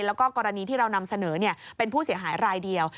แล้วก็กรณีที่เรานำเสนอเป็นผู้เสียหายรายเดียว